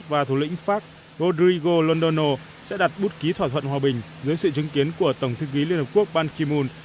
và thủ lĩnh pháp rodrigo londono sẽ đặt bút ký thỏa thuận hòa bình dưới sự chứng kiến của tổng thư ký liên hợp quốc ban kimon